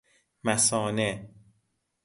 مثانه